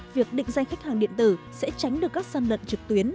việc định danh khách hàng điện tử sẽ tránh được các săn lận trực tuyến